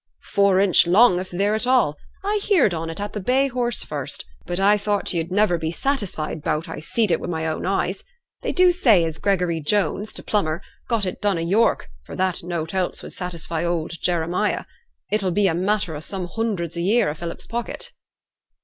'Four inch long if they're theere at all! I heerd on it at t' Bay Horse first; but I thought yo'd niver be satisfied 'bout I seed it wi' my own eyes. They do say as Gregory Jones, t' plumber, got it done i' York, for that nought else would satisfy old Jeremiah. It'll be a matter o' some hundreds a year i' Philip's pocket.'